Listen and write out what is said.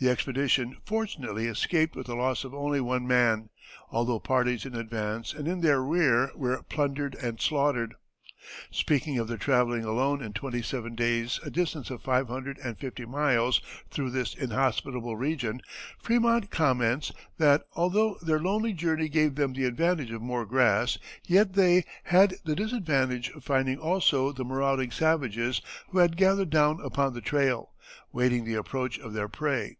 The expedition fortunately escaped with the loss of only one man, although parties in advance and in their rear were plundered and slaughtered. Speaking of their travelling alone in twenty seven days a distance of five hundred and fifty miles through this inhospitable region, Frémont comments, that although their lonely journey gave them the advantage of more grass, yet they "had the disadvantage of finding also the marauding savages who had gathered down upon the trail, waiting the approach of their prey.